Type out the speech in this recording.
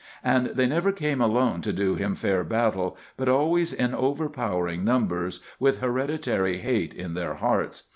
And they never came alone to do him fair battle, but always in overpowering numbers with hereditary hate in their hearts.